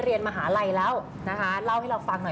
อืมรู้ไหมว่าดังมากเลยตอนนี้